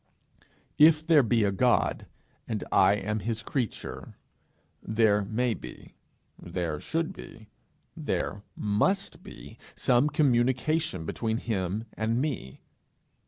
If there be a God, and I am his creature, there may be, there should be, there must be some communication open between him and me.